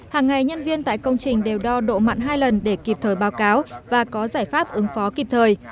hàng ngày nhân viên tại công trình đều đo độ mặn hai lần để kịp thời báo cáo và có giải pháp ứng phó kịp thời